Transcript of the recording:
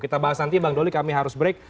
kita bahas nanti bang doli kami harus break